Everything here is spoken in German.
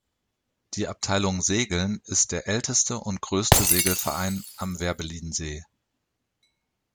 Die Abteilung Segeln ist der älteste und größte Segelverein am Werbellinsee.